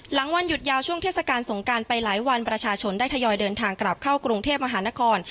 วันหยุดยาวช่วงเทศกาลสงการไปหลายวันประชาชนได้ทยอยเดินทางกลับเข้ากรุงเทพมหานคร